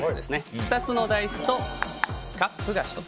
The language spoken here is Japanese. ２つのダイスとカップが１つ。